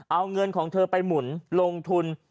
เอาเงินของเธอไปหมุนลงทุน